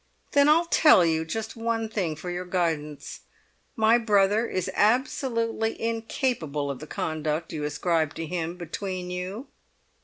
"Then I'll tell you just one thing for your guidance: my brother is absolutely incapable of the conduct you ascribe to him between you."